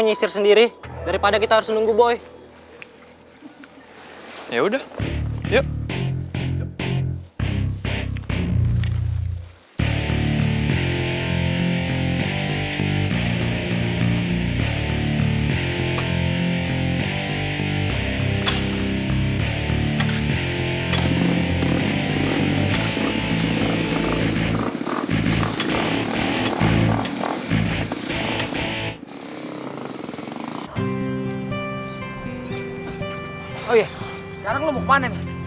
oh iya sekarang lo mau kemana nih